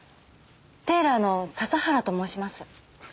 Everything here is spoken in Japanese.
テーラーの笹原と申します。